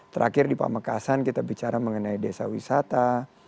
terakhir di pamekasan kita bicara mengenai desa wisata